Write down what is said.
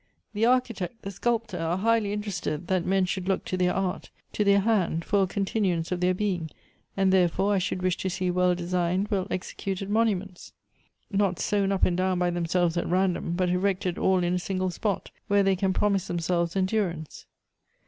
The architect, the sculptor, are highly interested that men should look to their art — to their hand, for a continuance of their being; and, therefore, I should wish to see well designed, well executed monuments; not sown up and down by themselves at random, but erected all in a single spot, where they can promise themselves endurance.